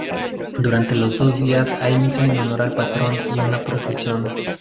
Durante los dos días hay misas en honor al patrón y una procesión.